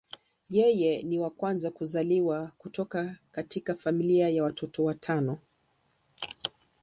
Yeye ni wa kwanza kuzaliwa kutoka katika familia ya watoto watano.